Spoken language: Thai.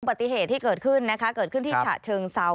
ปฏิเหตุที่เกิดขึ้นนะคะเกิดขึ้นที่ฉะเชิงเซา